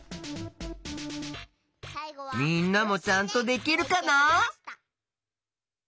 みんなもちゃんとできるかな？